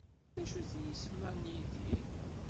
D acu-t yisem-a n Yidir?